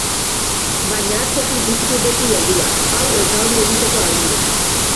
Baina atzetik ditu beti helduak, hau eta hori egiteko aginduz.